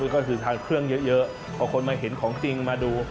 ก็คือทานเครื่องเยอะพอคนมาเห็นของจริงมาดู